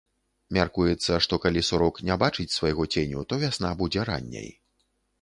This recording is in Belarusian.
Мяркуецца, што калі сурок не бачыць свайго ценю, то вясна будзе ранняй.